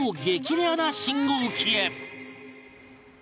レアな信号機へ